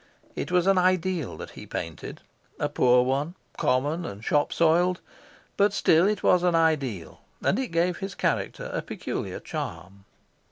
It was an ideal that he painted a poor one, common and shop soiled, but still it was an ideal; and it gave his character a peculiar charm.